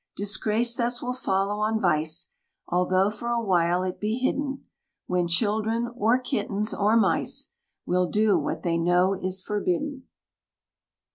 Disgrace thus will follow on vice, Although for a while it be hidden; When children, or kittens, or mice, Will do what they know is forbidden.